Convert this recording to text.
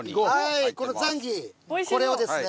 はいこのザンギこれをですね